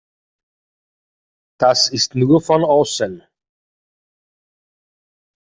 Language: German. Das ist nur von außen.